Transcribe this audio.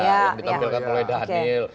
yang ditampilkan oleh dhanil